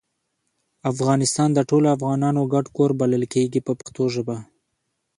افغانستان د ټولو افغانانو ګډ کور بلل کیږي په پښتو ژبه.